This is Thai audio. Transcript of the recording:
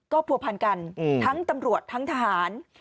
ผัวพันกันทั้งตำรวจทั้งทหาร